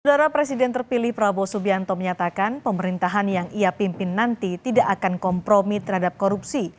saudara presiden terpilih prabowo subianto menyatakan pemerintahan yang ia pimpin nanti tidak akan kompromi terhadap korupsi